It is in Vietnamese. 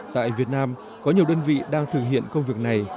tại việt nam có nhiều đơn vị đang thực hiện công việc này